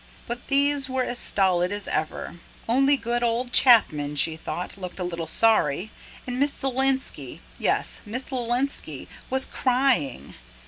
But these were as stolid as ever. Only good old Chapman, she thought, looked a little sorry, and Miss Zielinski yes, Miss Zielinski was crying!